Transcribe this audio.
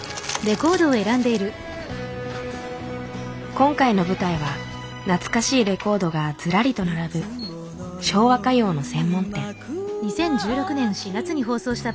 今回の舞台は懐かしいレコードがずらりと並ぶ昭和歌謡の専門店。